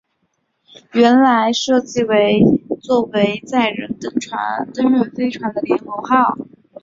原来设计做为载人登月飞船的联盟号飞船开始被安排做苏联空间站的运输工具。